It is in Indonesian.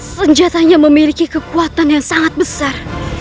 senjatanya memiliki kekuatan yang sangat besar